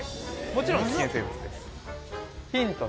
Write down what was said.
もちろん危険生物ですヒント